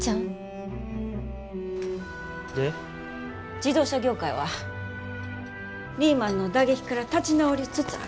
自動車業界はリーマンの打撃から立ち直りつつある。